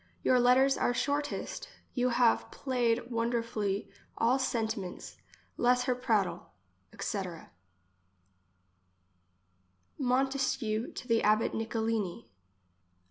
Your letters are shortest. You have plaied wonder fully all sentiments ; less her prattle, etc. Montesquieu to the abbot Nicolini.